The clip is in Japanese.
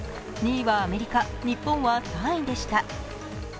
２位はアメリカ、日本は３位でした。